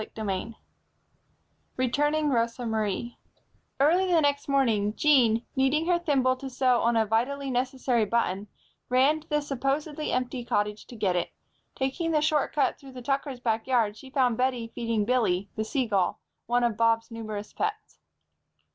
CHAPTER V Returning Rosa Marie EARLY the next morning, Jean, needing her thimble to sew on a vitally necessary button, ran to the supposedly empty cottage to get it. Taking the short cut through the Tuckers' back yard she found Bettie feeding Billy, the seagull, one of Bob's numerous pets.